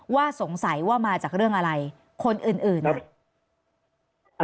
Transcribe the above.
ว่าสงสัยว่ามาจากเรื่องอะไรคนอื่นอ่ะ